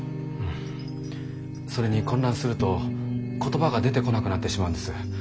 それに混乱すると言葉が出てこなくなってしまうんです。